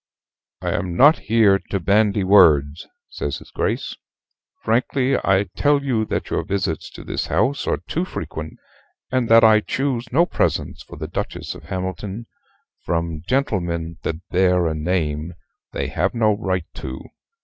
"I am not here to bandy words," says his Grace: "frankly I tell you that your visits to this house are too frequent, and that I choose no presents for the Duchess of Hamilton from gentlemen that bear a name they have no right to."